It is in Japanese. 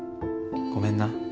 ごめんな。